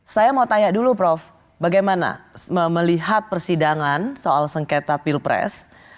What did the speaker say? saya mau tanya dulu prof bagaimana melihat persidangan soal sengketa pilpres